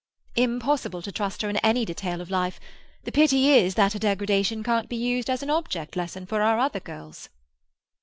"Impossible to trust her in any detail of life. The pity is that her degradation can't be used as an object lesson for our other girls."